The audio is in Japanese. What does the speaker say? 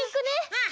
うん。